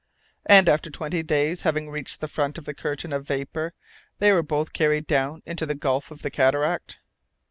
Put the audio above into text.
"And, after twenty days, having reached the front of the curtain of vapour, they were both carried down into the gulf of the cataract?"